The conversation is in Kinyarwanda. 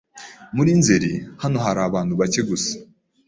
Muri Nzeri, hano hari abantu bake gusa.